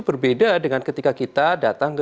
berbeda dengan ketika kita datang ke